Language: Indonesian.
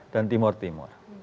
dan timur timur